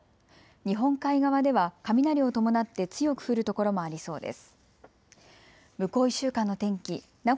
日本海側では雷を伴って強く降る所もありそうです。